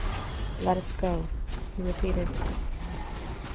"Let us go," he repeated.